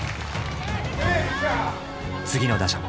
次の打者も。